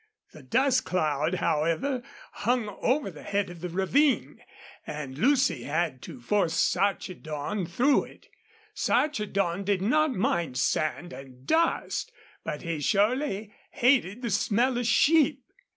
The dust cloud, however, hung over the head of the ravine, and Lucy had to force Sarchedon through it. Sarchedon did not mind sand and dust, but he surely hated the smell of sheep.